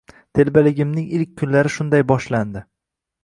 Telbaligimning ilk kunlari shunday boshlandi.